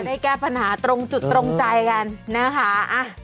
จะได้แก้ปัญหาตรงจุดตรงใจกันนะฮะนี่แหละ